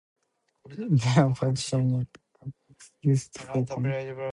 There are five submarine cables used for communications landing in Thailand.